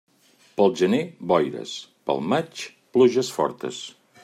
Pel gener boires, pel maig pluges fortes.